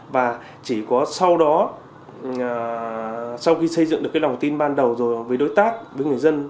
và chỉ có sau đó sau khi xây dựng được cái lòng tin ban đầu rồi với đối tác với người dân